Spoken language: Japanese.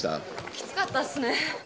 きつかったっすね。